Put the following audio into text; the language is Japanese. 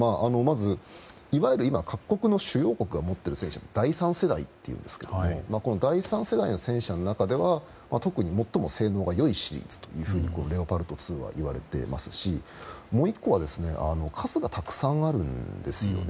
いわゆる各国の主要国が持っている戦車は第３世代といいますが第３世代の戦車の中では特に最も性能が良いシリーズとレオパルト２はいわれてますしもう１個は数がたくさんあるんですよね。